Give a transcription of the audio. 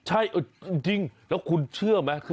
ใช่จริงแล้วคุณเชื่อไหม